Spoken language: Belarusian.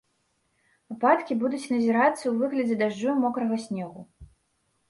Ападкі будуць назірацца ў выглядзе дажджу і мокрага снегу.